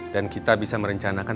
dan kita bisa merencanakan